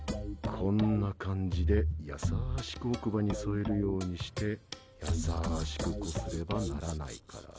こんな感じで優しく奥歯に添えるようにして優しくこすれば、ならないから。